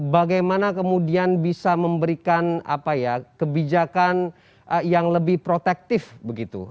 bagaimana kemudian bisa memberikan kebijakan yang lebih protektif begitu